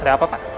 ada apa pak